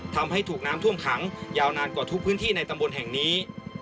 ทำให้ถูกน้ำท่วมขังยาวนานกว่าทุกพื้นที่ในตำบลแห่งนี้